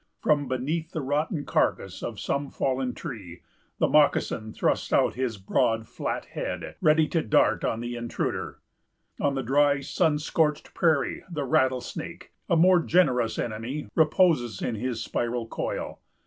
From beneath the rotten carcass of some fallen tree, the moccason thrusts out his broad flat head, ready to dart on the intruder. On the dry, sun scorched prairie, the rattlesnake, a more generous enemy, reposes in his spiral coil.